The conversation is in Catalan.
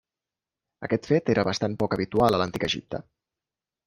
Aquest fet era bastant poc habitual a l'antic Egipte.